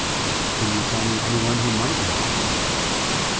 "Can you tell me any one who might know?"